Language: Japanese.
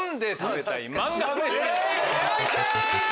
よいしょ！